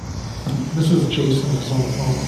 Mrs. Jason is on the phone.